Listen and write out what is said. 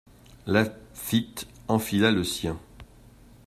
Laffitte enfila le sien.